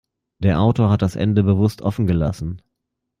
Der Autor hat das Ende bewusst offen gelassen.